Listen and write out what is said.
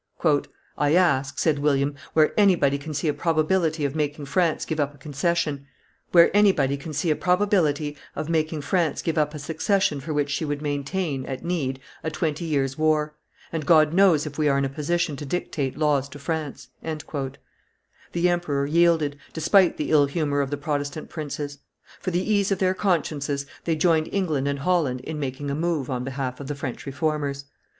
"I ask," said William, "where anybody can see a probability of making France give up a succession for which she would maintain, at need, a twenty years' war; and God knows if we are in a position to dictate laws to France." The emperor yielded, despite the ill humor of the Protestant princes. For the ease of their consciences they joined England and Holland in making a move on behalf of the French Reformers.